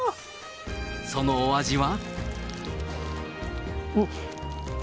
そのお味は？